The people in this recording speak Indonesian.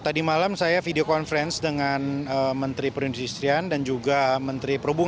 tadi malam saya video conference dengan menteri perindustrian dan juga menteri perhubungan